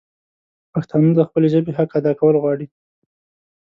پښتانه د خپلي ژبي حق ادا کول غواړي